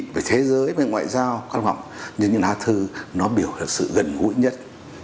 về thế giới về ngoại giao nhưng những lá thư nó biểu hiện sự gần gũi nhất